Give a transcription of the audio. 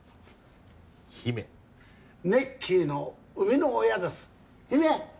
姫ネッキーの生みの親です姫！